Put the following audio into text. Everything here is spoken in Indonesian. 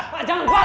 pak jangan pak